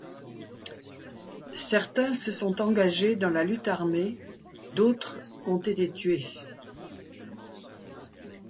Certains se sont engagés dans la lutte armée, d'autres ont été tués.